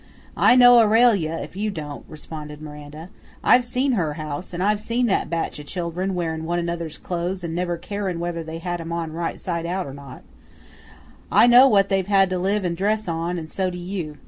"I know Aurelia if you don't," responded Miranda. "I've seen her house, and I've seen that batch o' children, wearin' one another's clothes and never carin' whether they had 'em on right sid' out or not; I know what they've had to live and dress on, and so do you.